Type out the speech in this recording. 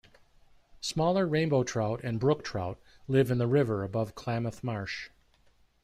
Smaller rainbow trout and brook trout live in the river above Klamath Marsh.